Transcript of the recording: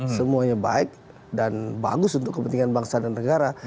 semuanya baik dan bagus untuk kepentingan bangsa dan negara